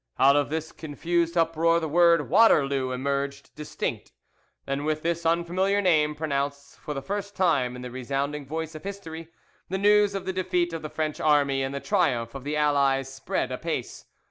Out of this confused uproar the word "Waterloo" emerged distinct; and with this unfamiliar name pronounced for the first time in the resounding voice of history, the news of the defeat of the French army and the triumph of the Allies spread apace.